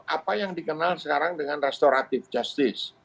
apa yang dikenal sekarang dengan restoratif justice